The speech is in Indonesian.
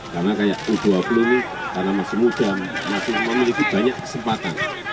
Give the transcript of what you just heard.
karena kayak u dua puluh ini karena masih muda masih memiliki banyak kesempatan